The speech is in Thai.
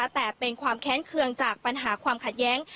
แต่เป็นความแค้นเคืองจากปัญหาความขัดแย้ง